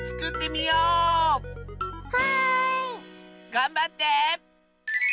がんばって！